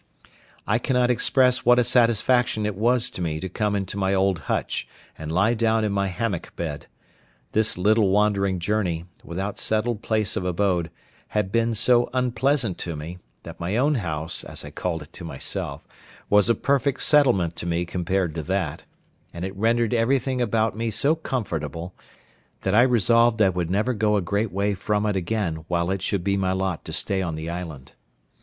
I cannot express what a satisfaction it was to me to come into my old hutch, and lie down in my hammock bed. This little wandering journey, without settled place of abode, had been so unpleasant to me, that my own house, as I called it to myself, was a perfect settlement to me compared to that; and it rendered everything about me so comfortable, that I resolved I would never go a great way from it again while it should be my lot to stay on the island.